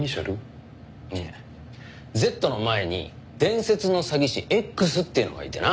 いやＺの前に「伝説の詐欺師Ｘ」っていうのがいてな。